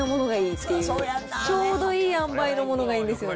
ちょうどいい塩梅のものがいいんですよね。